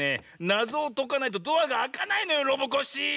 なぞをとかないとドアがあかないのよロボコッシー。